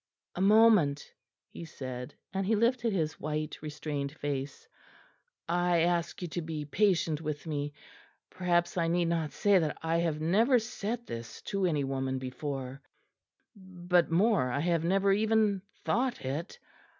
"A moment," he said, and he lifted his white restrained face. "I ask you to be patient with me. Perhaps I need not say that I have never said this to any woman before; but more, I have never even thought it.